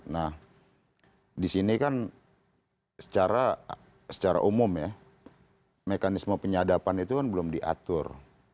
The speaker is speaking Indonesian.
nah di sini kan secara umum ya mekanisme penyadapan itu kan belum diatur